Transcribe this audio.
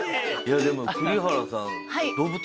でも栗原さん。